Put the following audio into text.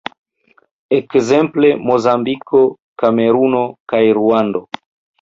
Ekzemple, Mozambiko, Kameruno kaj Ruando.